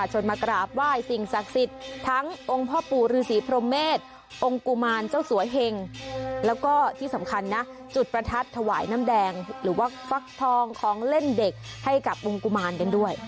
หรือว่าฟักทองของเล่นเด็กให้กับวงกุมานกันด้วย